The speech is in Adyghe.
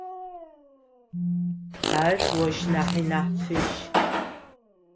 Ар ощ нахьи нахь фыжь.